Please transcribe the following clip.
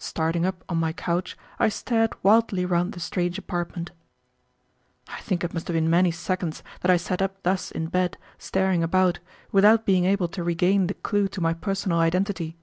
Starting up on my couch, I stared wildly round the strange apartment. I think it must have been many seconds that I sat up thus in bed staring about, without being able to regain the clew to my personal identity.